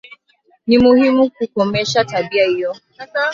Ni muhimu kukomesha tabia hiyo